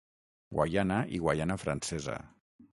Guaiana i Guaiana Francesa.